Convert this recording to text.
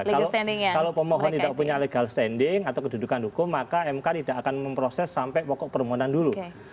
kalau pemohon tidak punya legal standing atau kedudukan hukum maka mk tidak akan memproses sampai pokok permohonan dulu